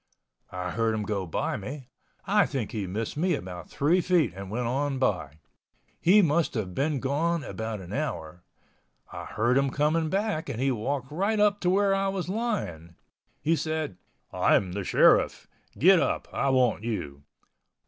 I heard him go by me. I think he missed me about three feet and went on by. He must have been gone about an hour—I heard him coming back and he walked right up to where I was lying. He said, "I am the sheriff. Get up. I want you."